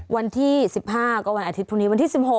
วันที่๑๕ก็วันอาทิตย์พรุ่งนี้วันที่๑๖